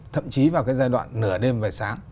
thậm chí vào cái giai đoạn nửa đêm và sáng